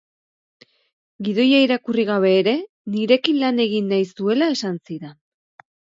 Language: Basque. Gidoia irakurri gabe ere, nirekin lan egin nahi zuela esan zidan.